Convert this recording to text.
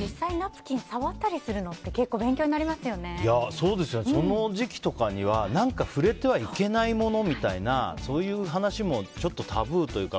実際、ナプキン触ったりするのってその時期とかには触れてはいけないものみたいなそういう話もちょっとタブーというか。